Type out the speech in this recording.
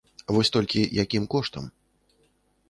Вось толькі якім коштам?